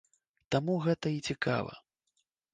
Таму гэта і цікава.